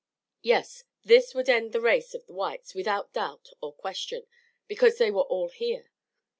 Yes, this would end the race of the whites without doubt or question, because they all were here.